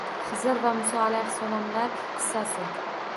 Hizr va Muso alayhimussalomlar qissasi